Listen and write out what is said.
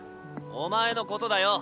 お前のことだよ。